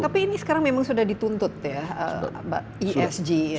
tapi ini sekarang memang sudah dituntut ya mbak esg ya